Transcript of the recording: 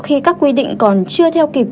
khi các quy định còn chưa theo kịp